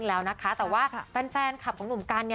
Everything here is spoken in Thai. แต่ว่าแฟนขับของหนุ่มกัน